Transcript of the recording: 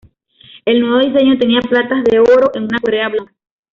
El nuevo diseño tenía platas de oro en una correa blanca.